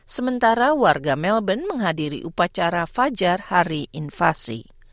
sementara warga melbourne menghadiri upacara fajar hari invasi